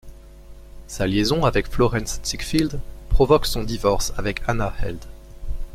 Sa liaison avec Florenz Ziegfeld provoque son divorce avec Anna Held.